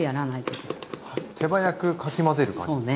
手早くかき混ぜる感じですか？